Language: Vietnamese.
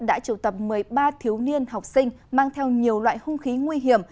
đã triều tập một mươi ba thiếu niên học sinh mang theo nhiều loại hung khí nguy hiểm